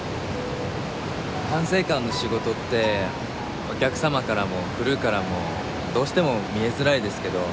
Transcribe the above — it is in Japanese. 管制官の仕事ってお客様からもクルーからもどうしても見えづらいですけど